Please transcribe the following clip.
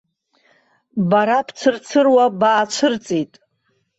Бара бцырцыруа баацәырҵит.